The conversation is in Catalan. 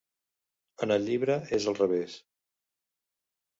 En el llibre, és al revés.